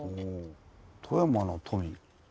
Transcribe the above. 富山の富？